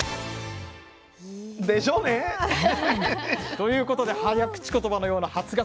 ということで早口ことばのような初がつおカツ